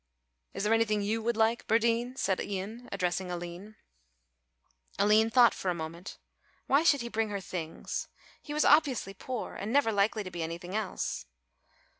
"Is there anything you would like, birdeen?" said Ian, addressing Aline. Aline thought for a moment; why should he bring her things, he was obviously poor and never likely to be anything else?